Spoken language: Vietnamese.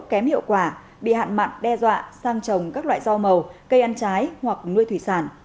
kém hiệu quả bị hạn mặn đe dọa sang trồng các loại rau màu cây ăn trái hoặc nuôi thủy sản